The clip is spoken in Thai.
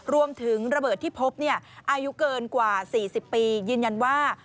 ระเบิดที่พบอายุเกินกว่า๔๐ปียืนยันว่า